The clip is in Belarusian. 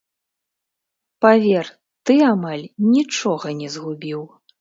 Павер, ты амаль нічога не згубіў!